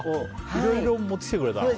いろいろ持ってきてくれたんだ。